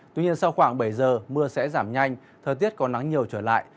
tuy nhiên sau khoảng bảy giờ mưa sẽ giảm nhanh thời tiết có nắng nhiều trở lại